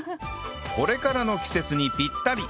これからの季節にぴったり！